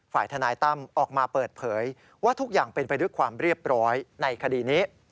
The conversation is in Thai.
ฝ่ายทนายตั้มออกมาเปิดเผยว่าทุกอย่างเป็นไปด้วยความเรียบร้อยในคดีนี้